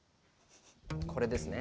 これですね。